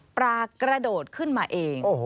กระโดดขึ้นมาเอง